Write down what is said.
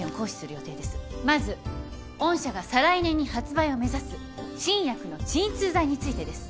まず御社が再来年に発売を目指す新薬の鎮痛剤についてです。